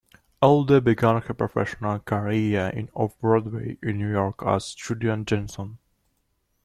Elder began her professional career in off-Broadway in New York as "Judyann Jonsson".